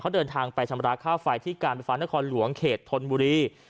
เดินทางไปชำระค่าไฟที่การไฟฟ้านครหลวงเขตธนบุรี